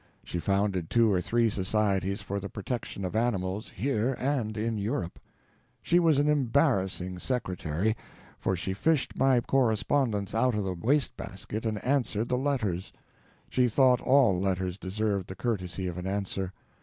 She founded two or three societies for the protection of animals, here and in Europe. She was an embarrassing secretary, for she fished my correspondence out of the waste basket and answered the letters. She thought all letters deserved the courtesy of an answer.